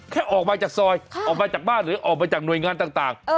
ออกมาจากซอยออกมาจากบ้านหรือออกมาจากหน่วยงานต่าง